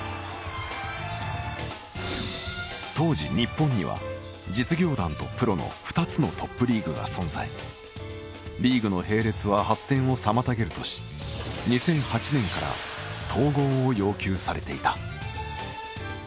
当時、日本には実業団とプロの２つのトップリーグが存在リーグの並列は発展を妨げるとし２００８年から統合を要求されていた。